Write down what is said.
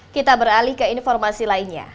kita beralih ke informasi lainnya